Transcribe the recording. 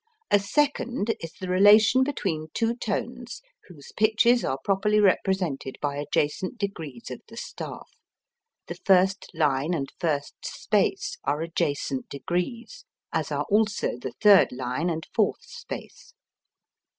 A second is the relation between two tones whose pitches are properly represented by adjacent degrees of the staff. (The first line and first space are adjacent degrees, as are also the third line and fourth space.)